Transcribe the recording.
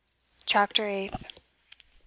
CHAPTER EIGHTH.